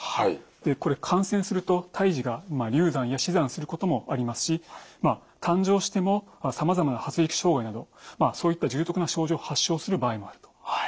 これ感染すると胎児が流産や死産することもありますし誕生してもさまざまな発育障害などそういった重篤な症状を発症する場合もあると。